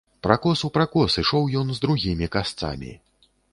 Пракос у пракос ішоў ён з другімі касцамі.